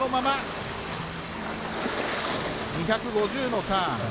２５０のターン。